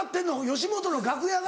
吉本の楽屋が？